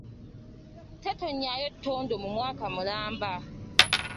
Tetonnyayo ttondo mu mwaka mulamba.